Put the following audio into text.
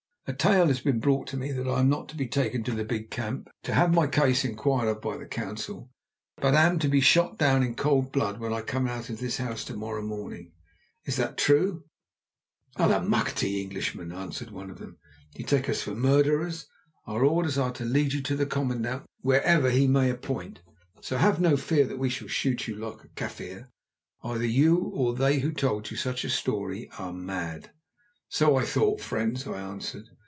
"A tale has been brought to me that I am not to be taken to the big camp to have my case inquired of by the council, but am to be shot down in cold blood when I come out of this house to morrow morning. Is that true?" "Allemachte, Englishman!" answered one of them. "Do you take us for murderers? Our orders are to lead you to the commandant wherever he may appoint, so have no fear that we shall shoot you like a Kaffir. Either you or they who told you such a story are mad." "So I thought, friends," I answered.